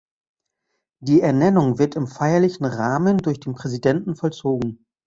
Die Ernennung wird im feierlichen Rahmen durch den Präsidenten vollzogen.